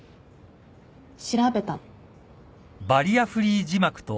調べたの。